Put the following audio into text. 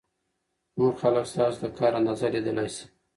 نور خلک ستاسو د کار اندازه لیدلای شي.